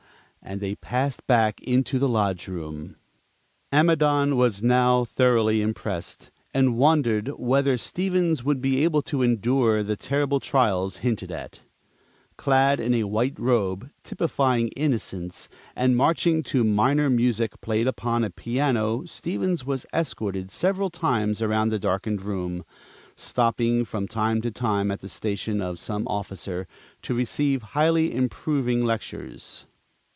and they passed back into the lodge room. Amidon was now thoroughly impressed, and wondered whether Stevens would be able to endure the terrible trials hinted at. Clad in a white robe, "typifying innocence," and marching to minor music played upon a piano, Stevens was escorted several times around the darkened room, stopping from time to time at the station of some officer, to receive highly improving lectures.